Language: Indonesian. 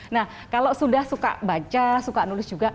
nah kalau sudah suka baca suka nulis juga